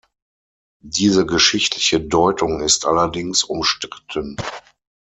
Diese geschichtliche Deutung ist allerdings umstritten.